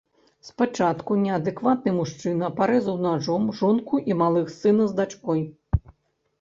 Спачатку неадэкватны мужчына парэзаў нажом жонку і малых сына з дачкой.